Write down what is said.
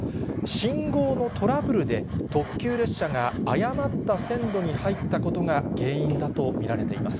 信号のトラブルで、特急列車が誤った線路に入ったことが原因だと見られています。